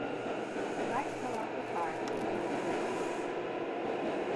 The device fell off the car and failed to explode.